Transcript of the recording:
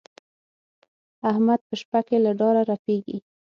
احمد په شپه کې له ډاره رپېږي.